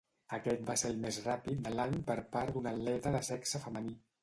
Aquest va ser el més ràpid de l'any per part d'una atleta de sexe femení.